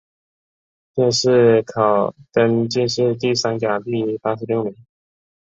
殿试登进士第三甲第八十六名。